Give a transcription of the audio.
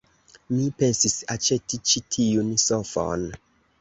Mi pensis aĉeti ĉi tiun sofon.